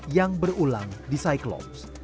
yang berulang di saiklos